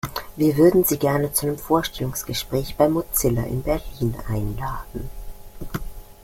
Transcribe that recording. Wir würden Sie gerne zu einem Vorstellungsgespräch bei Mozilla in Berlin einladen!